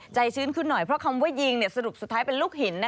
ชื้นขึ้นหน่อยเพราะคำว่ายิงสรุปสุดท้ายเป็นลูกหิน